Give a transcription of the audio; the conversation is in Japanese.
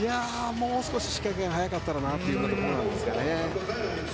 もう少し仕掛けが早かったらなという感じですかね。